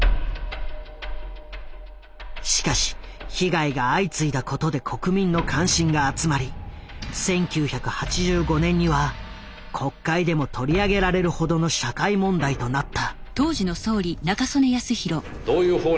しかし被害が相次いだことで国民の関心が集まり１９８５年には国会でも取り上げられるほどの社会問題となった。